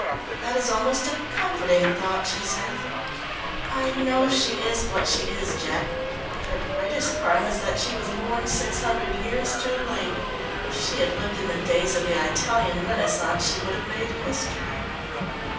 "That is almost a comforting thought," she said. "I know she is what she is, Jack, but her greatest crime is that she was born six hundred years too late. If she had lived in the days of the Italian Renaissance she would have made history."